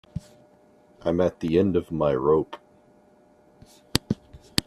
I'm at the end of my rope.